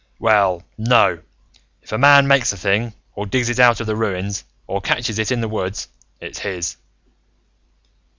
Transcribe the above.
"Well, no. If a man makes a thing, or digs it out of the ruins, or catches it in the woods, it's his."